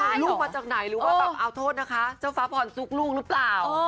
มีลูกมาจากไหนหรือว่าแบบเอาโทษนะคะเจ้าฟ้าพรซุกลูกหรือเปล่า